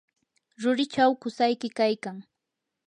rurichaw qusayki kaykan.